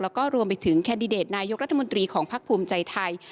แล้วก็รวมไปถึงแคนดิเดตนายกรัฐมนตรีของพักภูมิใจไทย